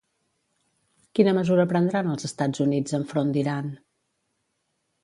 Quina mesura prendran els Estats Units enfront d'Iran?